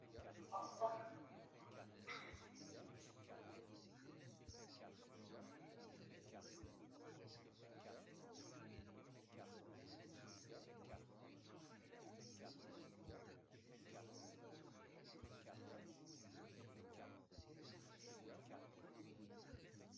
Ad am-ixdem akken i aɣ-txedmeḍ!